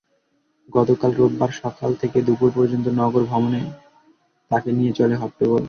গতকাল রোববার সকাল থেকে দুপুর পর্যন্ত নগর ভবনে তাঁকে নিয়ে চলে হট্টগোল।